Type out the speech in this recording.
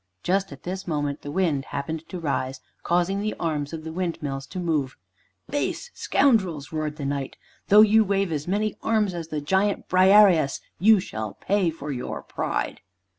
Just at this moment the wind happened to rise, causing the arms of the windmills to move. "Base scoundrels!" roared the Knight, "though you wave as many arms as the giant Briareus, you shall pay for your pride."